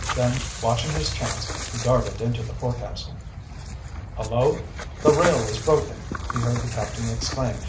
Then, watching his chance, he darted into the forecastle. "Hullo, the rail is broken!" he heard the captain exclaim.